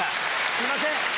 すいません。